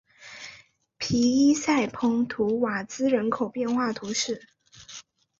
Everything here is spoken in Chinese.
皮伊塞蓬图瓦兹人口变化图示